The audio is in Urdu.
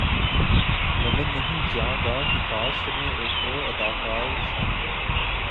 لندن نہیں جاں گا کی کاسٹ میں ایک اور اداکار شامل